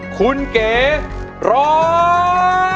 คุณเก๋ร้อง